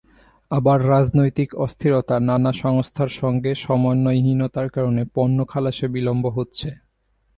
আবার রাজনৈতিক অস্থিরতা, নানা সংস্থার সঙ্গে সমন্বয়হীনতার কারণে পণ্য খালাসে বিলম্ব হচ্ছে।